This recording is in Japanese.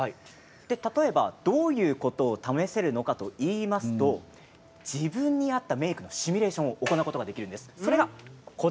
例えばどういうことを試せるのかといいますと自分に合ったシミュレーションを行うことができるんです。